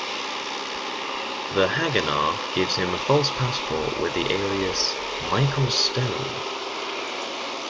The Haganah gives him a false passport with the alias "Michael Stone".